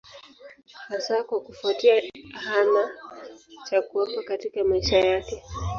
Hasa kwa kufuatia hana cha kuwapa katika maisha yake.